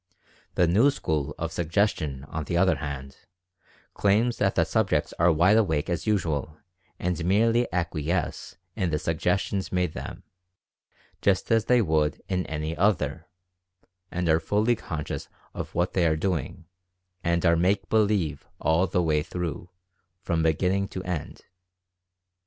The new school of "Suggestion/' on the other hand, claims that the sub jects are wide awake as usual and merely acquiesce in the suggestions made them, just as they would in any other, and are fully conscious of what they are doing, and are "make believe" all the way through, from beginning to end.